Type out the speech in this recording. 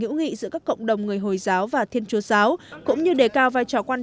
hữu nghị giữa các cộng đồng người hồi giáo và thiên chúa giáo cũng như đề cao vai trò quan